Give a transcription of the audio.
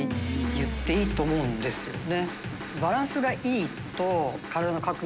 言っていいと思うんですよね。